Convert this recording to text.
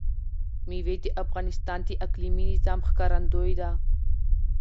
مېوې د افغانستان د اقلیمي نظام ښکارندوی ده.